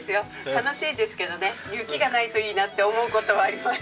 楽しいですけどね雪がないといいなって思う事はあります。